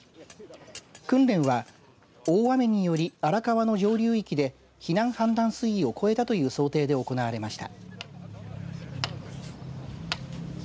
訓練は、大雨により荒川の上流域で避難判断水位を超えたという想定で行われました。